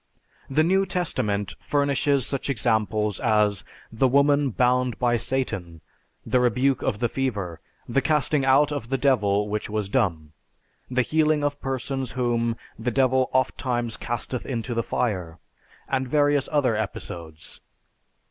The New Testament furnishes such examples as the woman "bound by Satan," the rebuke of the fever, the casting out of the devil which was dumb, the healing of persons whom "the devil oftimes casteth into the fire," and various other episodes.